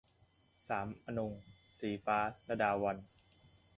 สามอนงค์ - ศรีฟ้า ลดาวัลย์